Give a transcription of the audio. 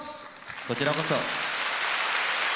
こちらこそ。